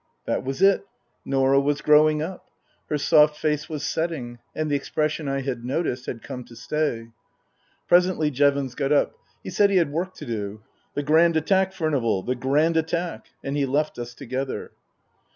That was it. Norah was growing up. Her soft face was setting and the expression I had noticed had come to stay. Presently Jevons got up. He said he had work to do. " The Grand Attack, Furnival, the Grand Attack !" And he left us together.